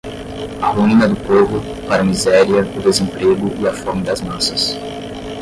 a ruína do povo, para a miséria, o desemprego e a fome das massas